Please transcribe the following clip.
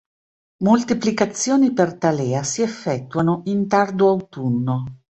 Moltiplicazioni per talea si effettuano in tardo autunno.